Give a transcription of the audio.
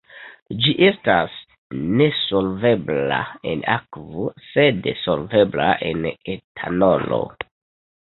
Ĝi estas nesolvebla en akvo sed solvebla en etanolo.